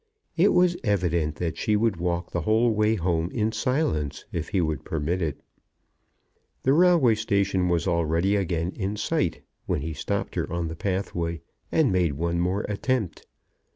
It was evident that she would walk the whole way home in silence, if he would permit it. The railway station was already again in sight, when he stopped her on the pathway, and made one more attempt.